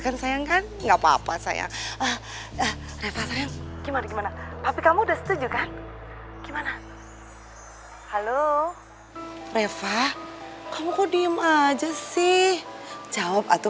jangan pernah terima tamu siapapun